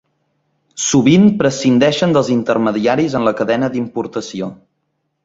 Sovint prescindeixen dels intermediaris en la cadena d'importació.